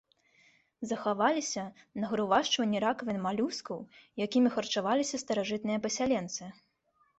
Захаваліся нагрувашчванні ракавін малюскаў, якімі харчаваліся старажытныя пасяленцы.